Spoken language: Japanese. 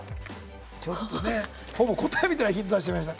ちょっとねほぼ答えみたいなヒント出してしまいました。